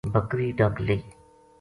بکری ڈک لئی۔